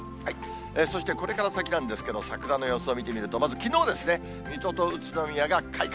そしてこれから先なんですけど、桜の様子を見てみると、まずきのうですね、水戸と宇都宮が開花。